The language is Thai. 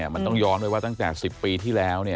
มันต้องย้อนไว้ว่าตั้งแต่๑๐ปีที่แล้ว